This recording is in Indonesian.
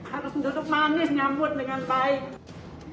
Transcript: harus duduk manis nyambut dengan baik